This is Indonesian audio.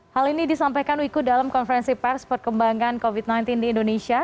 hal ini disampaikan wiku dalam konferensi pers perkembangan covid sembilan belas di indonesia